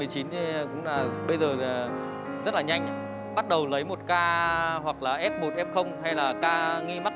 cũng là bây giờ rất là nhanh bắt đầu lấy một ca hoặc là f một f hay là ca nghi mắc